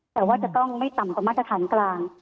แต่ว่าจะต้องไม่ต่ำกว่ามาตรฐานกลาง